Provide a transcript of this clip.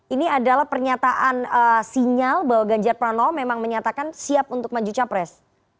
ini adalah pernyataan sinyal bahwa ganjar pranowo memang menyatakan siap untuk maju capres